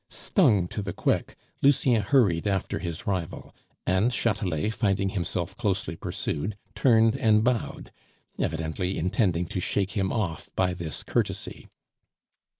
Stung to the quick, Lucien hurried after his rival; and Chatelet, finding himself closely pursued, turned and bowed, evidently intending to shake him off by this courtesy.